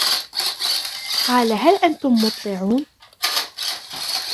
قال هل أنتم مطلعون